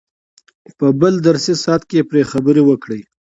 په بل درسي ساعت کې پرې خبرې وکړئ.